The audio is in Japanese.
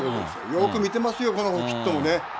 よく見てますよ、このヒットもね。